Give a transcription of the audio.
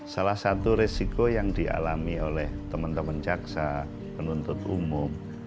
salah satu resiko yang dialami oleh teman teman jaksa penuntut umum